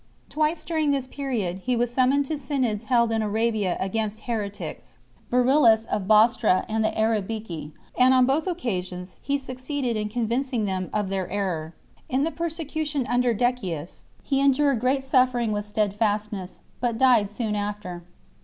Twice during this period Ee was summoned to synods held in Arabia against heretics (Beryllus of Bostra and the "Arabici"), and on both J 244, 248. occasions he succeeded in convincing them of their error. | In the persecution under Decius he endured great suffer ing with steadfastness, but died soon after.